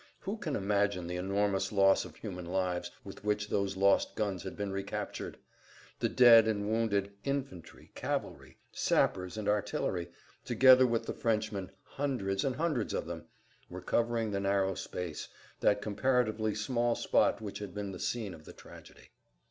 Who can imagine the enormous loss of human lives with which those lost guns had been recaptured! The dead and wounded, infantry, cavalry, sappers and artillery, together with the Frenchmen, hundreds and hundreds of them, were covering the narrow space, that comparatively small spot which had been the scene of the tragedy.